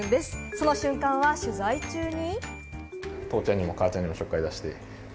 その瞬間は取材中に。